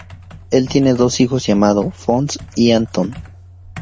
Él tiene dos hijos llamados, Fonz y Anton.